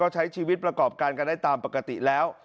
ใช้ชีวิตประกอบการกันได้ตามปกติแล้ว